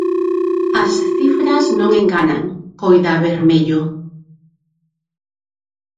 "As cifras non enganan", coida Bermello.